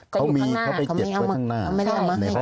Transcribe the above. เขาไปเก็บไหมข้างหน้า